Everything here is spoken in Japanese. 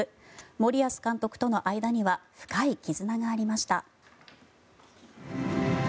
森保監督との間には深い絆がありました。